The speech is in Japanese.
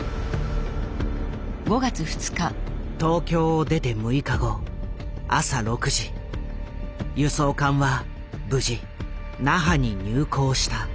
東京を出て６日後朝６時輸送艦は無事那覇に入港した。